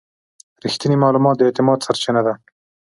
رښتینی معلومات د اعتماد سرچینه ده.